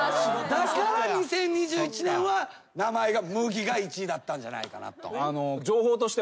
だから２０２１年は名前が「ムギ」が１位だったんじゃないかなと。